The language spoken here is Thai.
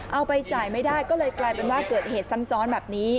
เอาไปจ่ายไม่ได้ก็เลยกลายเป็นว่าเกิดเหตุซ้ำซ้อนแบบนี้